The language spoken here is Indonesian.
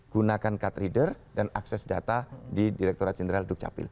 gunakan card reader dan akses data di direkturat jenderal dukcapil